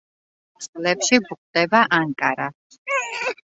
წყლებში გვხვდება ანკარა.